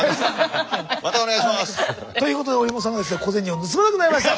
またお願いします！ということで折茂さんがですね小銭を盗まなくなりました。